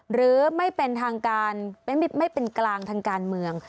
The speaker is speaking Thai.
หรือไม่เป็นกลางทางการเมือง